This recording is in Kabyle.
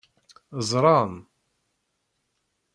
Ẓran.